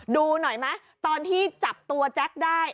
ดูหน่อยไหมตอนที่จับตัวแจ๊คได้